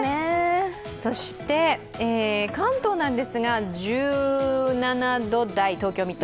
そして関東なんですが、１７度台東京、水戸。